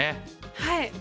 はい。